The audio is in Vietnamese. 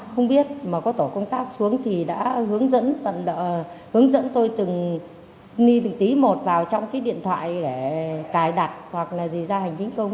không biết mà có tổ công tác xuống thì đã hướng dẫn tôi từng tí một vào trong cái điện thoại để cài đặt hoặc là gì ra hành chính công